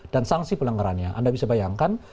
dan sanksi pelenggarannya anda bisa bayangkan